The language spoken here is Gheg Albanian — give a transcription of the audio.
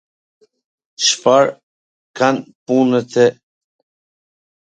Cfar kan punwt e ...?